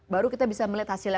baru kita bisa melihat hasilnya